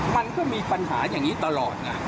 มันก็มีปัญหาอย่างนี้ตลอดไง